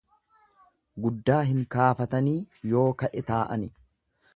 Guddaa hin kaafatanii yoo ka'e taa'ani.